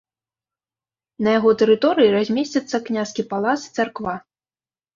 На яго тэрыторыі размесцяцца княскі палац і царква.